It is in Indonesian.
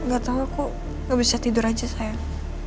gak tau kok gak bisa tidur aja saya